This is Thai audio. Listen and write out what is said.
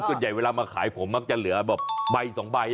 แล้วส่วนใหญ่เวลามาขายผมมักจะเหลือใบ๑๒ใบ